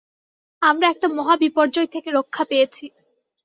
আমরা একটা মহাবিপর্যয় থেকে রক্ষা পেয়েছি।